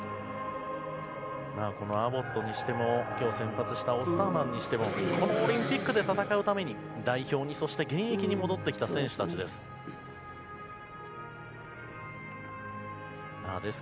アボットにしても今日、先発したオスターマンにしてもオリンピックで戦うために代表に、現役に戻ってきた選手たちです。